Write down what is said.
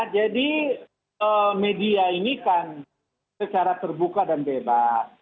jadi media ini kan secara terbuka dan bebas